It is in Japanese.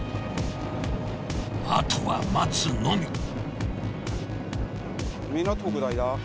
あとは待つのみ。